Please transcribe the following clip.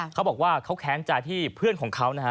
เขาบอกว่าเค้าแค้นจ่ายที่เพื่อนของเขา